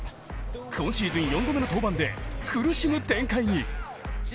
今シーズン４度目の登板で苦しむ展開に。